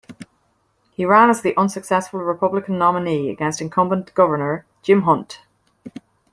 He ran as the unsuccessful Republican nominee against incumbent Governor Jim Hunt.